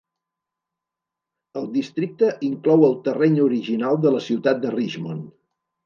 El districte inclou el terreny original de la ciutat de Richmond.